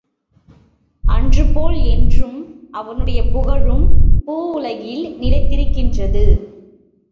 அன்று போல் என்றும் அவனுடைய புகழும் பூவுலகில் நிலைத் திருக்கின்றது.